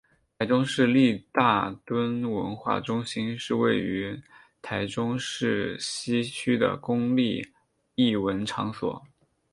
台中市立大墩文化中心是位于台中市西区的公立艺文场所。